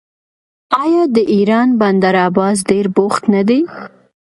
آیا د ایران بندر عباس ډیر بوخت نه دی؟